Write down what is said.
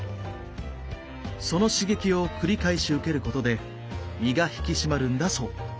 その刺激を繰り返し受けることで身が引き締まるんだそう。